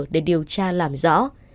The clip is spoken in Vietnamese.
để điều tra làm rõ